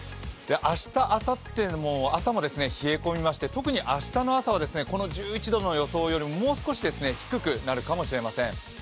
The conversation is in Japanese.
明日、あさっても朝も冷え込みまして特に明日の朝はこの１１度の予想よりももう少し低くなるかもしれません。